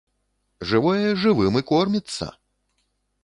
Жывое жывым і корміцца!